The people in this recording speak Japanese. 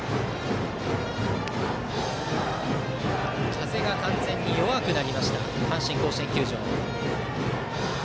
風が完全に弱くなりました阪神甲子園球場。